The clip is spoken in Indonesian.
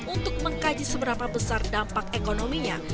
untuk mengkaji seberapa besar dampak ekonominya